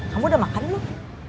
kamu udah makan belum